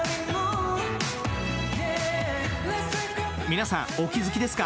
皆さんお気づきですか？